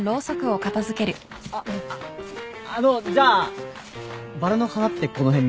あっあっあのじゃあバラの花ってこの辺に。